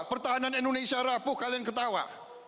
pertahanan indonesia rapuh kalian ketawa